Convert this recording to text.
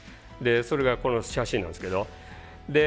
それがこの写真なんですけど。